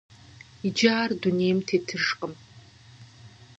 Иджы ар дунейм тетыжкъым.